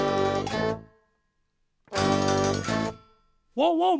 ワンワン！